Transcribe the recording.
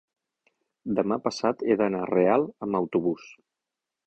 Demà passat he d'anar a Real amb autobús.